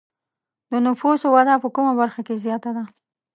د نفوسو وده په کومه برخه کې زیاته ده؟